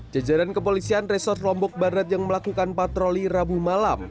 jajaran kepolisian resort lombok barat yang melakukan patroli rabu malam